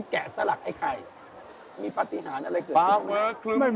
แกะสลักไอ้ไข่มีปฏิหารอะไรเกิดขึ้น